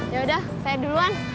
yaudah saya duluan